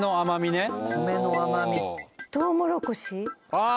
ああ！